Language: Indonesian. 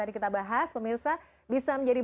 tadi kita bahas pemirsa bisa menjadi